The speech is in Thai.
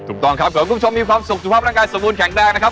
ถูกต้องครับเผื่อคุณผู้ชมมีความสุขสุขภาพร่างกายสมบูรณแข็งแรงนะครับ